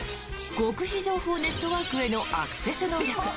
極秘情報ネットワークへのアクセス能力。